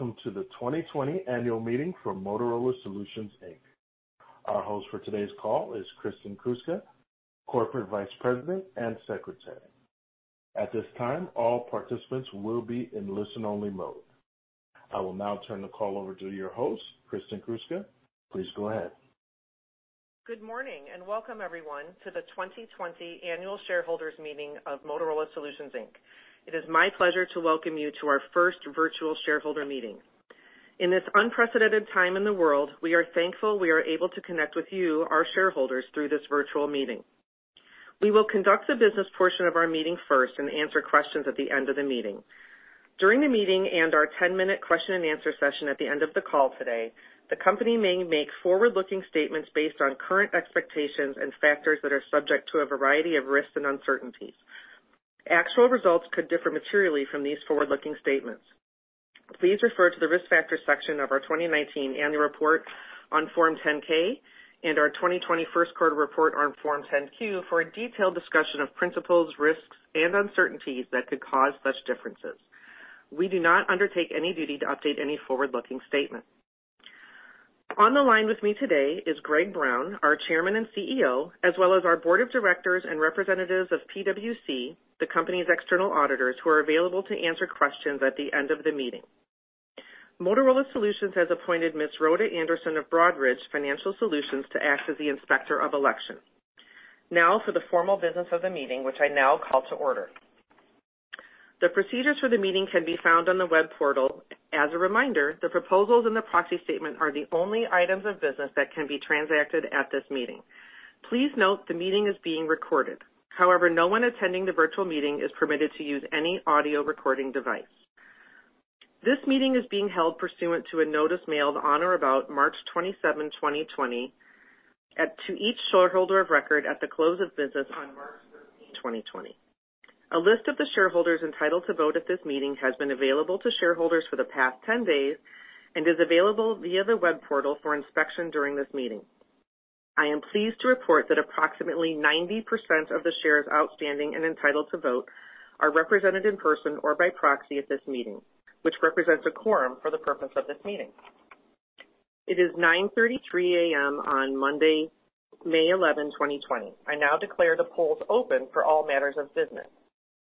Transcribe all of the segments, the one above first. Welcome to the 2020 Annual Meeting for Motorola Solutions. Our host for today's call is Kristin Kruska, Corporate Vice President and Secretary. At this time, all participants will be in listen-only mode. I will now turn the call over to your host, Kristin Kruska. Please go ahead. Good morning and welcome, everyone, to the 2020 Annual Shareholders Meeting of Motorola Solutions. It is my pleasure to welcome you to our first virtual shareholder meeting. In this unprecedented time in the world, we are thankful we are able to connect with you, our shareholders, through this virtual meeting. We will conduct the business portion of our meeting first and answer questions at the end of the meeting. During the meeting and our 10-minute question and answer session at the end of the call today, the company may make forward-looking statements based on current expectations and factors that are subject to a variety of risks and uncertainties. Actual results could differ materially from these forward-looking statements. Please refer to the risk factor section of our 2019 Annual Report on Form 10-K and our 2020 First Quarter Report on Form 10-Q for a detailed discussion of principles, risks, and uncertainties that could cause such differences. We do not undertake any duty to update any forward-looking statement. On the line with me today is Greg Brown, our Chairman and CEO, as well as our Board of Directors and representatives of PwC, the company's external auditors, who are available to answer questions at the end of the meeting. Motorola Solutions has appointed Ms. Rhoda Anderson of Broadridge Financial Solutions to act as the Inspector of Elections. Now for the formal business of the meeting, which I now call to order. The procedures for the meeting can be found on the web portal. As a reminder, the proposals and the proxy statement are the only items of business that can be transacted at this meeting. Please note the meeting is being recorded. However, no one attending the virtual meeting is permitted to use any audio recording device. This meeting is being held pursuant to a notice mailed on or about March 27, 2020, to each shareholder of record at the close of business on March 13, 2020. A list of the shareholders entitled to vote at this meeting has been available to shareholders for the past 10 days and is available via the web portal for inspection during this meeting. I am pleased to report that approximately 90% of the shares outstanding and entitled to vote are represented in person or by proxy at this meeting, which represents a quorum for the purpose of this meeting. It is 9:33 A.M. on Monday, May 11, 2020. I now declare the polls open for all matters of business.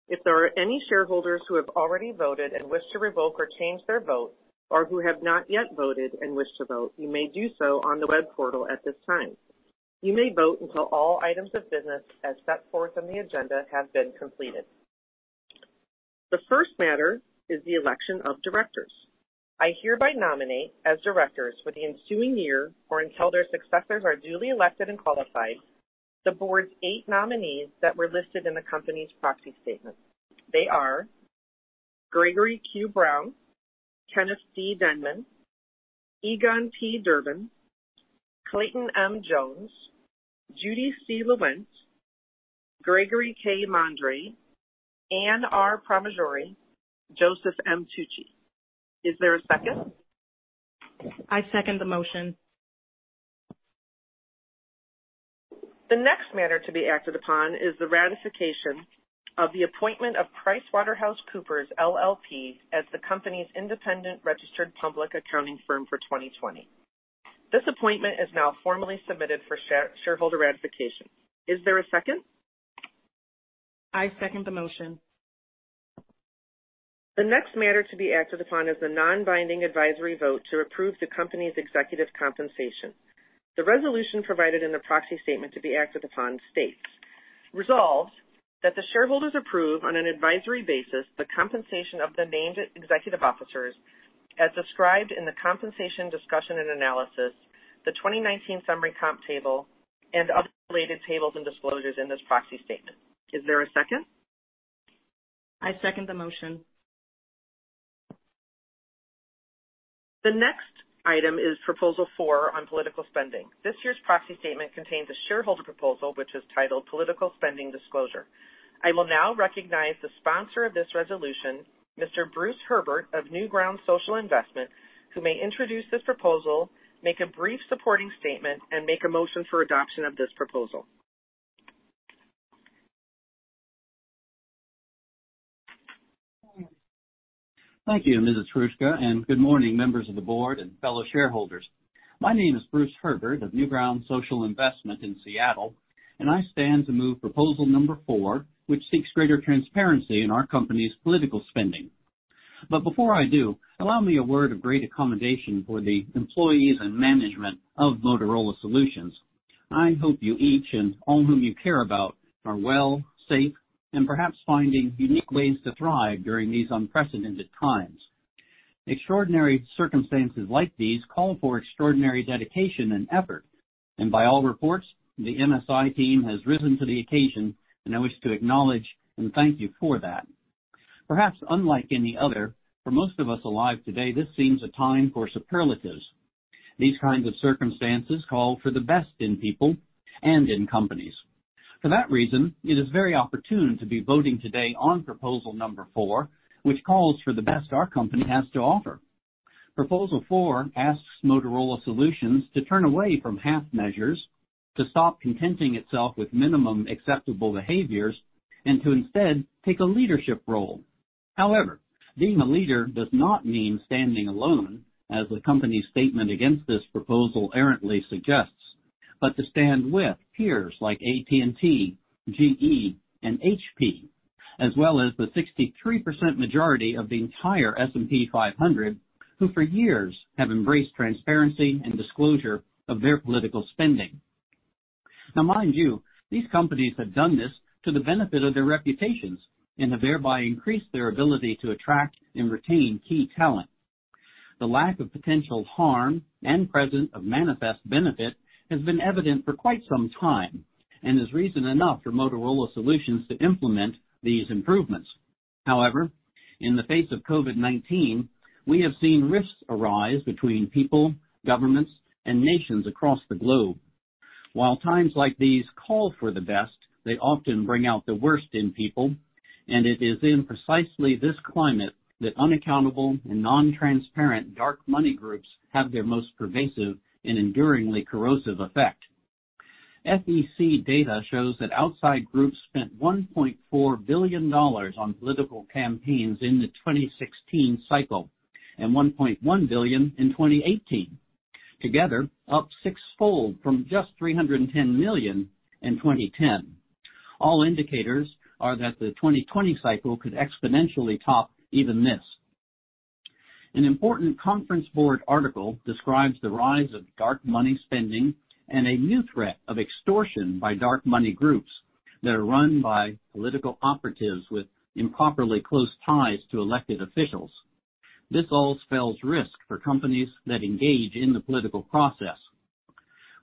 If there are any shareholders who have already voted and wish to revoke or change their vote, or who have not yet voted and wish to vote, you may do so on the web portal at this time. You may vote until all items of business as set forth on the agenda have been completed. The first matter is the election of directors. I hereby nominate as directors for the ensuing year or until their successors are duly elected and qualified, the board's eight nominees that were listed in the company's proxy statement. They are Gregory Q. Brown, Kenneth D. Denman, Egon P. Durban, Clayton M. Jones, Judy C. Lewent, Gregory K. Mondre, Anne R. Pramaggiore, Joseph M. Tucci. Is there a second? I second the motion. The next matter to be acted upon is the ratification of the appointment of PricewaterhouseCoopers LLP as the company's independent registered public accounting firm for 2020. This appointment is now formally submitted for shareholder ratification. Is there a second? I second the motion. The next matter to be acted upon is the non-binding advisory vote to approve the company's executive compensation. The resolution provided in the proxy statement to be acted upon states, "Resolved that the shareholders approve on an advisory basis the compensation of the named executive officers as described in the compensation discussion and analysis, the 2019 summary comp table, and other related tables and disclosures in this proxy statement." Is there a second? I second the motion. The next item is Proposal 4 on political spending. This year's proxy statement contains a shareholder proposal which is titled Political Spending Disclosure. I will now recognize the sponsor of this resolution, Mr. Bruce Herbert of Newgrounds Social Investment, who may introduce this proposal, make a brief supporting statement, and make a motion for adoption of this proposal. Thank you, Ms. Kruska, and good morning, members of the board and fellow shareholders. My name is Bruce Herbert of Newgrounds Social Investment in Seattle, and I stand to move Proposal Number 4, which seeks greater transparency in our company's political spending. Before I do, allow me a word of great accommodation for the employees and management of Motorola Solutions. I hope you each and all whom you care about are well, safe, and perhaps finding unique ways to thrive during these unprecedented times. Extraordinary circumstances like these call for extraordinary dedication and effort, and by all reports, the MSI team has risen to the occasion, and I wish to acknowledge and thank you for that. Perhaps unlike any other, for most of us alive today, this seems a time for superlatives. These kinds of circumstances call for the best in people and in companies. For that reason, it is very opportune to be voting today on Proposal Number 4, which calls for the best our company has to offer. Proposal 4 asks Motorola Solutions to turn away from half-measures, to stop contenting itself with minimum acceptable behaviors, and to instead take a leadership role. However, being a leader does not mean standing alone, as the company's statement against this proposal errantly suggests, but to stand with peers like AT&T, GE, and HP, as well as the 63% majority of the entire S&P 500, who for years have embraced transparency and disclosure of their political spending. Now, mind you, these companies have done this to the benefit of their reputations and have thereby increased their ability to attract and retain key talent. The lack of potential harm and present of manifest benefit has been evident for quite some time and is reason enough for Motorola Solutions to implement these improvements. However, in the face of COVID-19, we have seen risks arise between people, governments, and nations across the globe. While times like these call for the best, they often bring out the worst in people, and it is in precisely this climate that unaccountable and non-transparent dark money groups have their most pervasive and enduringly corrosive effect. FEC data shows that outside groups spent $1.4 billion on political campaigns in the 2016 cycle and $1.1 billion in 2018, together up sixfold from just $310 million in 2010. All indicators are that the 2020 cycle could exponentially top even this. An important conference board article describes the rise of dark money spending and a new threat of extortion by dark money groups that are run by political operatives with improperly close ties to elected officials. This all spells risk for companies that engage in the political process.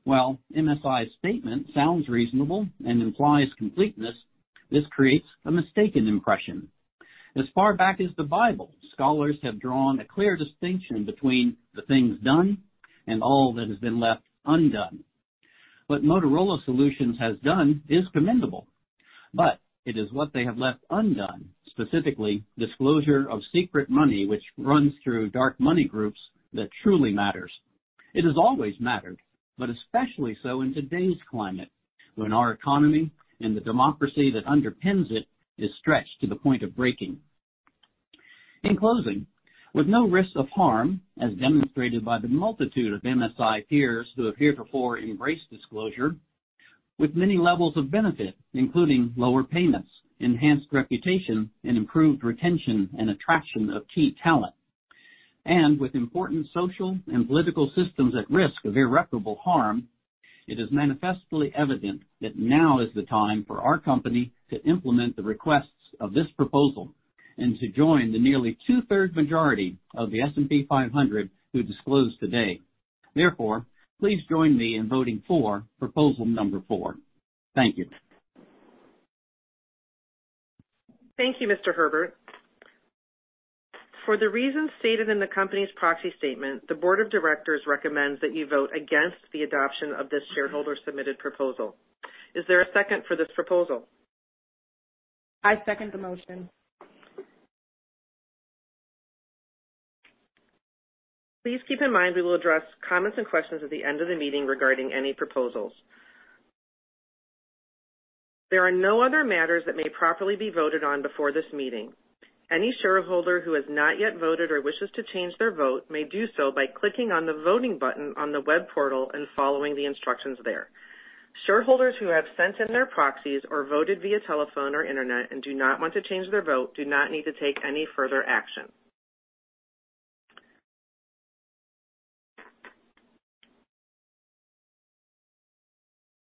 While MSI's statement sounds reasonable and implies completeness, this creates a mistaken impression. As far back as the Bible, scholars have drawn a clear distinction between the things done and all that has been left undone. What Motorola Solutions has done is commendable, but it is what they have left undone, specifically disclosure of secret money which runs through dark money groups, that truly matters. It has always mattered, especially so in today's climate when our economy and the democracy that underpins it is stretched to the point of breaking. In closing, with no risk of harm, as demonstrated by the multitude of MSI peers who have heretofore embraced disclosure, with many levels of benefit, including lower payments, enhanced reputation, and improved retention and attraction of key talent, and with important social and political systems at risk of irreparable harm, it is manifestly evident that now is the time for our company to implement the requests of this proposal and to join the nearly two-thirds majority of the S&P 500 who disclosed today. Therefore, please join me in voting for Proposal Number 4. Thank you. Thank you, Mr. Herbert. For the reasons stated in the company's proxy statement, the board of directors recommends that you vote against the adoption of this shareholder-submitted proposal. Is there a second for this proposal? I second the motion. Please keep in mind we will address comments and questions at the end of the meeting regarding any proposals. There are no other matters that may properly be voted on before this meeting. Any shareholder who has not yet voted or wishes to change their vote may do so by clicking on the voting button on the web portal and following the instructions there. Shareholders who have sent in their proxies or voted via telephone or internet and do not want to change their vote do not need to take any further action.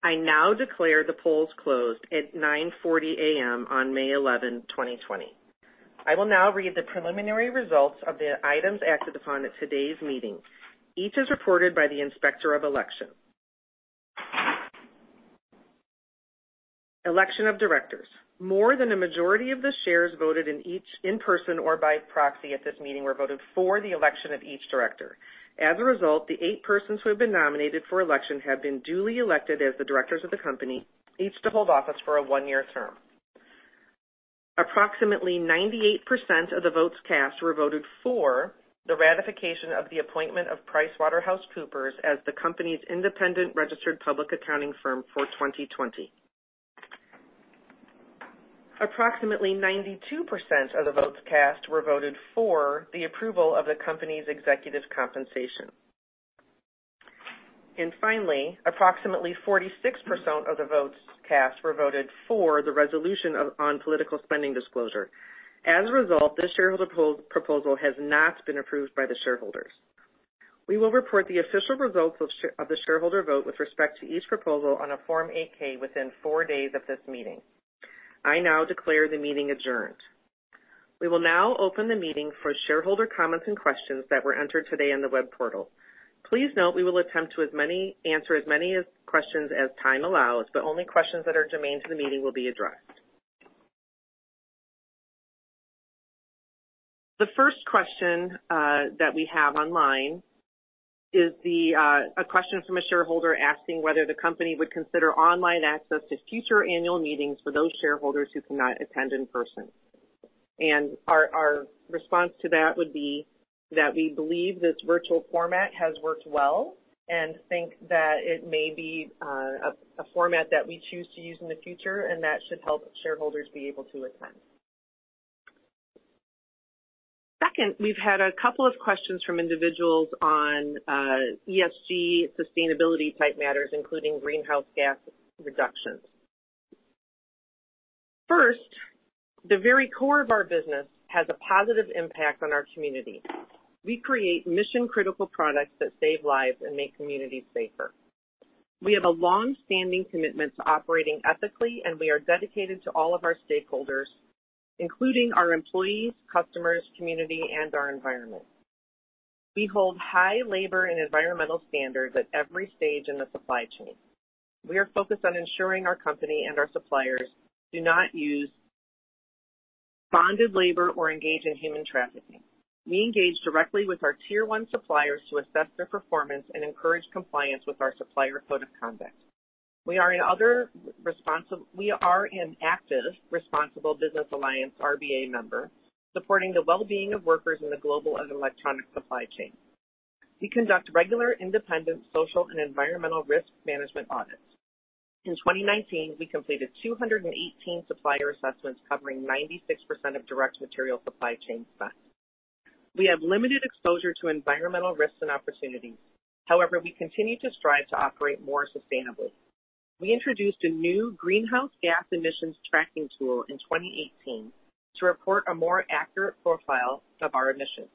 I now declare the polls closed at 9:40 A.M. on May 11, 2020. I will now read the preliminary results of the items acted upon at today's meeting. Each is reported by the Inspector of Elections. Election of Directors. More than a majority of the shares voted in person or by proxy at this meeting were voted for the election of each director. As a result, the eight persons who have been nominated for election have been duly elected as the directors of the company, each to hold office for a one-year term. Approximately 98% of the votes cast were voted for the ratification of the appointment of PricewaterhouseCoopers as the company's independent registered public accounting firm for 2020. Approximately 92% of the votes cast were voted for the approval of the company's executive compensation. Finally, approximately 46% of the votes cast were voted for the resolution on political spending disclosure. As a result, this shareholder proposal has not been approved by the shareholders. We will report the official results of the shareholder vote with respect to each proposal on a Form 8-K within four days of this meeting. I now declare the meeting adjourned. We will now open the meeting for shareholder comments and questions that were entered today on the web portal. Please note we will attempt to answer as many questions as time allows, but only questions that are germane to the meeting will be addressed. The first question that we have online is a question from a shareholder asking whether the company would consider online access to future annual meetings for those shareholders who cannot attend in person. Our response to that would be that we believe this virtual format has worked well and think that it may be a format that we choose to use in the future, and that should help shareholders be able to attend. Second, we've had a couple of questions from individuals on ESG sustainability-type matters, including greenhouse gas reductions. First, the very core of our business has a positive impact on our community. We create mission-critical products that save lives and make communities safer. We have a long-standing commitment to operating ethically, and we are dedicated to all of our stakeholders, including our employees, customers, community, and our environment. We hold high labor and environmental standards at every stage in the supply chain. We are focused on ensuring our company and our suppliers do not use bonded labor or engage in human trafficking. We engage directly with our tier-one suppliers to assess their performance and encourage compliance with our supplier code of conduct. We are an active Responsible Business Alliance, RBA member, supporting the well-being of workers in the global electronic supply chain. We conduct regular independent social and environmental risk management audits. In 2019, we completed 218 supplier assessments covering 96% of direct material supply chain spend. We have limited exposure to environmental risks and opportunities. However, we continue to strive to operate more sustainably. We introduced a new greenhouse gas emissions tracking tool in 2018 to report a more accurate profile of our emissions.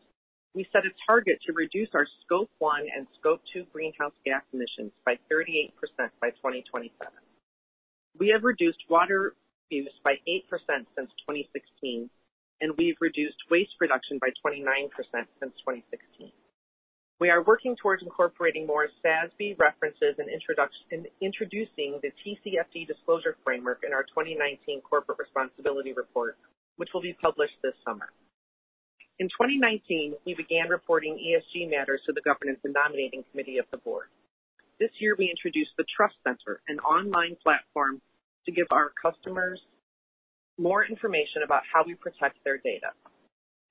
We set a target to reduce our scope one and scope two greenhouse gas emissions by 38% by 2027. We have reduced water use by 8% since 2016, and we've reduced waste by 29% since 2016. We are working towards incorporating more SASB references and introducing the TCFD disclosure framework in our 2019 corporate responsibility report, which will be published this summer. In 2019, we began reporting ESG matters to the governance and nominating committee of the board. This year, we introduced the Trust Center, an online platform to give our customers more information about how we protect their data.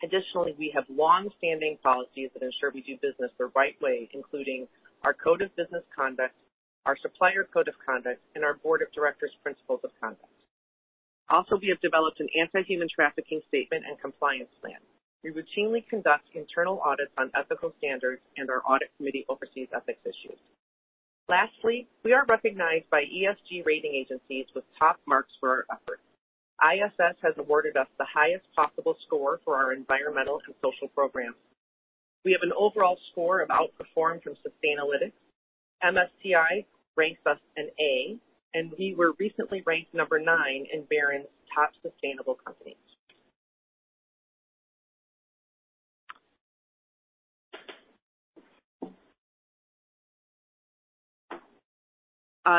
Additionally, we have long-standing policies that ensure we do business the right way, including our code of business conduct, our supplier code of conduct, and our board of directors' principles of conduct. Also, we have developed an anti-human trafficking statement and compliance plan. We routinely conduct internal audits on ethical standards, and our audit committee oversees ethics issues. Lastly, we are recognized by ESG rating agencies with top marks for our efforts. ISS has awarded us the highest possible score for our environmental and social programs. We have an overall score of outperform from Sustainalytics. MSCI ranks us an A, and we were recently ranked number nine in Barron's Top Sustainable Company.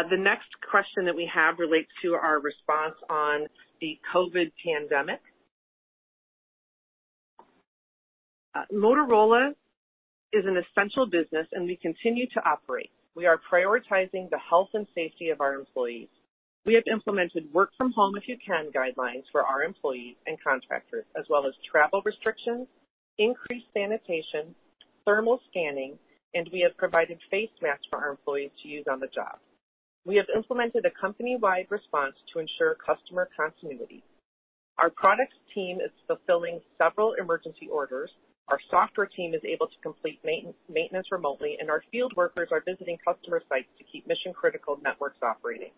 The next question that we have relates to our response on the COVID pandemic. Motorola Solutions is an essential business, and we continue to operate. We are prioritizing the health and safety of our employees. We have implemented work-from-home-if-you-can guidelines for our employees and contractors, as well as travel restrictions, increased sanitation, thermal scanning, and we have provided face masks for our employees to use on the job. We have implemented a company-wide response to ensure customer continuity. Our product team is fulfilling several emergency orders. Our software team is able to complete maintenance remotely, and our field workers are visiting customer sites to keep mission-critical networks operating.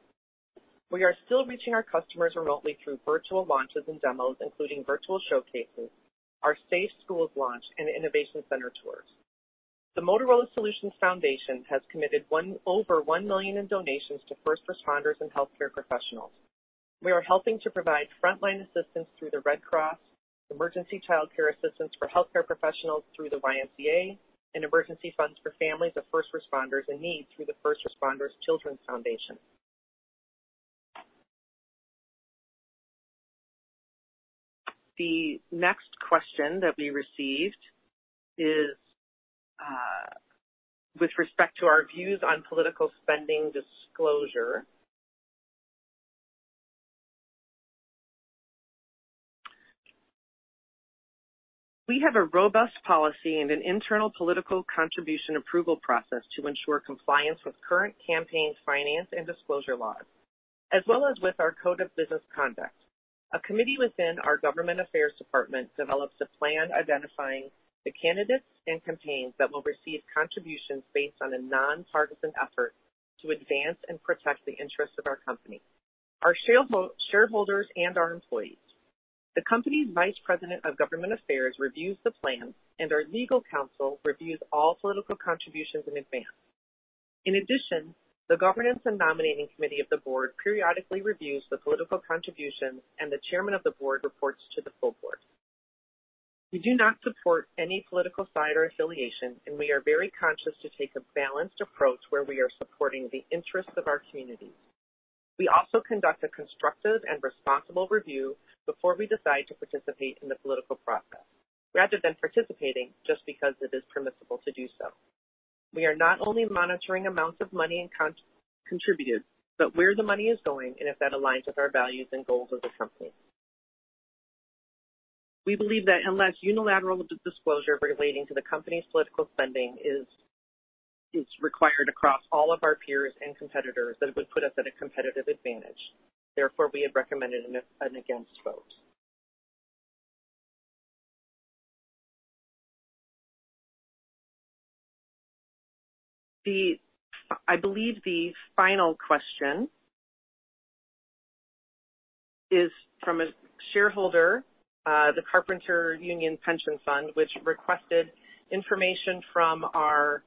We are still reaching our customers remotely through virtual launches and demos, including virtual showcases, our safe schools launch, and innovation center tours. The Motorola Solutions Foundation has committed over $1 million in donations to first responders and healthcare professionals. We are helping to provide frontline assistance through the Red Cross, emergency childcare assistance for healthcare professionals through the YMCA, and emergency funds for families of first responders in need through the First Responders Children's Foundation. The next question that we received is with respect to our views on political spending disclosure. We have a robust policy and an internal political contribution approval process to ensure compliance with current campaign finance and disclosure laws, as well as with our code of business conduct. A committee within our government affairs department develops a plan identifying the candidates and campaigns that will receive contributions based on a nonpartisan effort to advance and protect the interests of our company, our shareholders, and our employees. The company's Vice President of Government Affairs reviews the plan, and our legal counsel reviews all political contributions in advance. In addition, the Governance and Nominating Committee of the board periodically reviews the political contributions, and the Chairman of the Board reports to the full board. We do not support any political side or affiliation, and we are very conscious to take a balanced approach where we are supporting the interests of our communities. We also conduct a constructive and responsible review before we decide to participate in the political process, rather than participating just because it is permissible to do so. We are not only monitoring amounts of money contributed, but where the money is going and if that aligns with our values and goals as a company. We believe that unless unilateral disclosure relating to the company's political spending is required across all of our peers and competitors, that it would put us at a competitive advantage. Therefore, we have recommended an against vote. I believe the final question is from a shareholder, the Carpenter Union Pension Fund, which requested information from our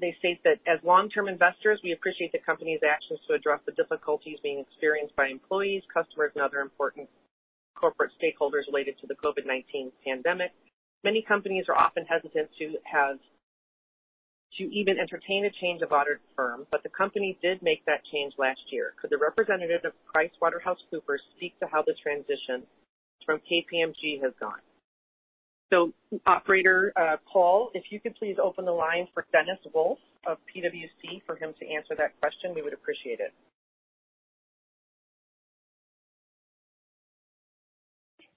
they state that as long-term investors, we appreciate the company's actions to address the difficulties being experienced by employees, customers, and other important corporate stakeholders related to the COVID-19 pandemic. Many companies are often hesitant to even entertain a change of audit firm, but the company did make that change last year. Could the representative of PricewaterhouseCoopers speak to how the transition from KPMG has gone? Operator Paul, if you could please open the line for Dennis Wolff of PricewaterhouseCoopers for him to answer that question. We would appreciate it.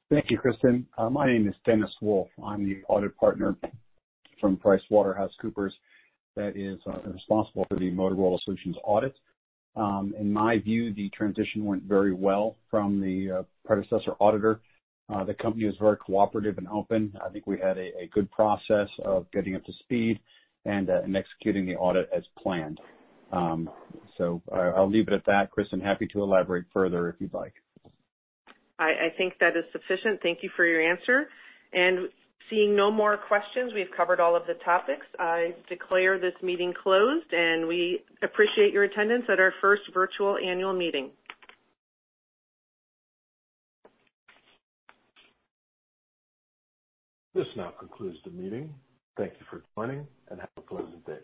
Thank you, Kristin. My name is Dennis Wolff. I'm the audit partner from PricewaterhouseCoopers that is responsible for the Motorola Solutions audit. In my view, the transition went very well from the predecessor auditor. The company was very cooperative and open. I think we had a good process of getting up to speed and executing the audit as planned. I'll leave it at that. Kristin, happy to elaborate further if you'd like. I think that is sufficient. Thank you for your answer. Seeing no more questions, we have covered all of the topics. I declare this meeting closed, and we appreciate your attendance at our first virtual annual meeting. This now concludes the meeting. Thank you for joining, and have a pleasant day.